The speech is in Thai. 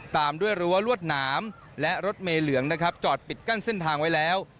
ตามด้วยรั้วลวดหนามและรถเมเหลืองนะครับจอดปิดกั้นเส้นทางไว้แล้ว